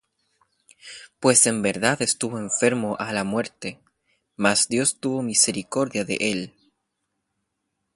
Pues en verdad estuvo enfermo á la muerte: mas Dios tuvo misericordia de él;